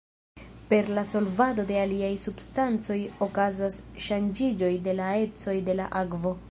Per la solvado de aliaj substancoj okazas ŝanĝiĝoj de la ecoj de la akvo.